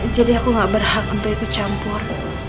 aku gak berhak untuk ikut campur